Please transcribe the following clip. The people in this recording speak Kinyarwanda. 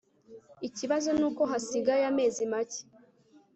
Ikibazo nuko hasigaye amazi make